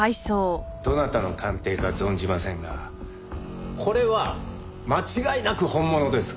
どなたの鑑定か存じませんがこれは間違いなく本物です。